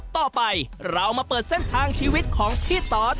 ต่อไปเรามาเปิดเส้นทางชีวิตของพี่ตอส